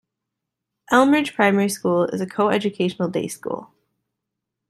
Elmridge Primary School is a co-educational day school.